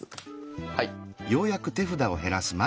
はい。